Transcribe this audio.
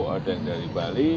ada yang dari bali